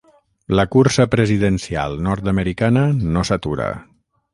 La cursa presidencial nord-americana no s’atura.